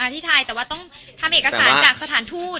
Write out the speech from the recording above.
ที่ไทยแต่ว่าต้องทำเอกสารจากสถานทูต